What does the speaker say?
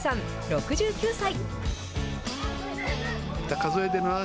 ６９歳。